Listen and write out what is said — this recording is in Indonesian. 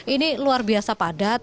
ini luar biasa padat